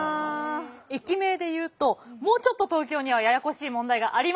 駅名で言うともうちょっと東京にはややこしい問題がありますので。